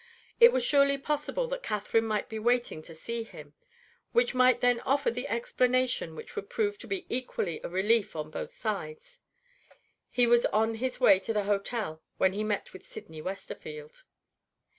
It was surely possible that Catherine might be waiting to see him, and might then offer the explanation which would prove to be equally a relief on both sides. He was on his way to the hotel when he met with Sydney Westerfield.